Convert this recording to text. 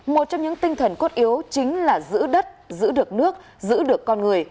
một trong những tinh thần cốt yếu chính là giữ đất giữ được nước giữ được con người